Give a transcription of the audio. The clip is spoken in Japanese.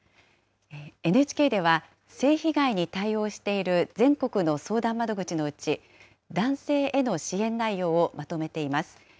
ＮＨＫでは、性被害に対応している全国の相談窓口のうち、男性への支援内容をまとめています。